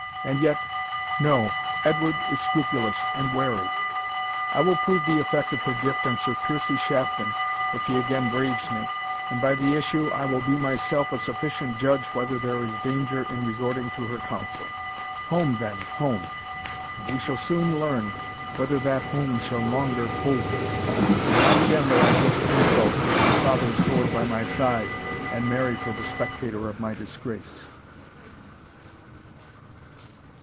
And yet, no Edward is scrupulous and wary. I will prove the effect of her gift on Sir Piercie Shafton, if he again braves me, and by the issue, I will be myself a sufficient judge whether there is danger in resorting to her counsel. Home, then, home and we shall soon learn whether that home shall longer hold me; for not again will I brook insult, with my father's sword by my side, and Mary for the spectator of my disgrace."